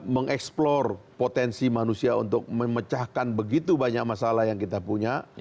mengeksplor potensi manusia untuk memecahkan begitu banyak masalah yang kita punya